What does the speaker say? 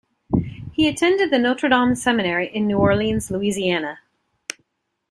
He attended the Notre Dame Seminary in New Orleans, Louisiana.